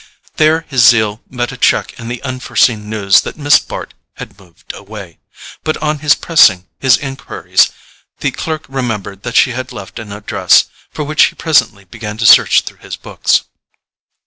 There his zeal met a check in the unforeseen news that Miss Bart had moved away; but, on his pressing his enquiries, the clerk remembered that she had left an address, for which he presently began to search through his books.